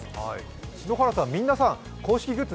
篠原さん、皆さん公式グッズ